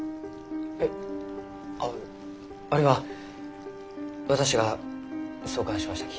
えっあれは私が創刊しましたき。